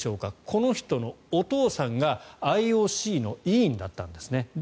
この人のお父さんがＩＯＣの委員だったんですね。